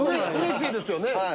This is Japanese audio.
うれしいですよね。